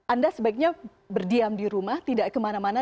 anda sebaiknya berdiam di rumah tidak kemana mana